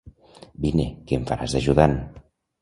Vine, que em faràs d'ajudant.